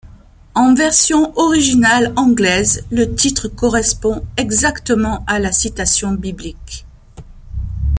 En version originale anglaise, le titre correspond exactement à la citation biblique.